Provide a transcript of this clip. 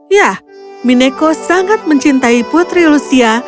ya mineko sangat mencintai putri lucia